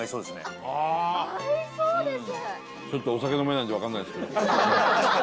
伊達：ちょっとお酒飲めないんでわからないんですけど。